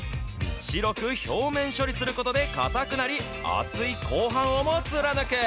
白く表面処理することで硬くなり、厚い鋼板をも貫く。